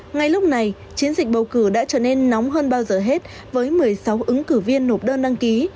ngay lúc này chiến dịch bầu cử đã trở nên nóng hơn bao giờ hết với một mươi sáu ứng cử viên nộp đơn đăng ký